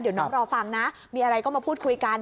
เดี๋ยวน้องรอฟังนะมีอะไรก็มาพูดคุยกัน